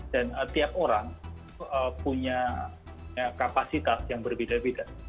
dan tiap orang punya kapasitas yang berbeda beda